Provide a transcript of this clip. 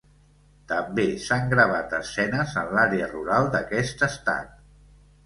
També s'han gravat escenes en l'àrea rural d'aquest estat.